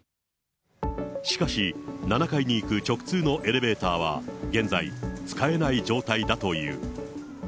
しかし、７階に行く直通のエレベーターは、現在、使えない状態だという。